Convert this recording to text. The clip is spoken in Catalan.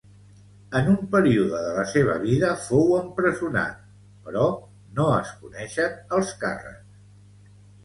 En un període de la seva vida fou empresonat, però no es coneixen els càrrecs.